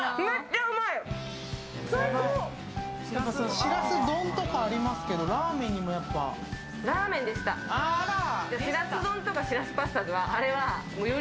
しらす丼とかありますけど、ラーメンにもやっぱり？